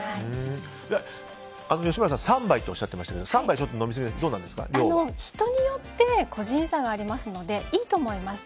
吉村さん３杯とおっしゃっていましたが人によって個人差がありますのでいいと思います。